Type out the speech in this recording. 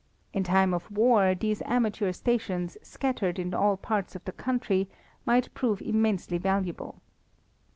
In time of war these amateur stations, scattered in all parts of the country, might prove immensely valuable.